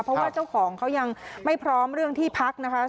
เพราะว่าเจ้าของเขายังไม่พร้อมเรื่องที่พักนะคะ